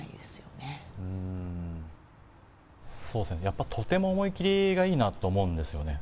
そうですねやっぱとても思い切りがいいなと思うんですよね